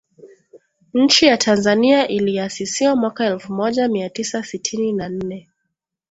Nchi ya Tanzania iliasisiwa mwaka elfu moja mia tisa sitini na nne